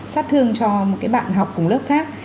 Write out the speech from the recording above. sát thương cho một cái bạn học cùng lớp khác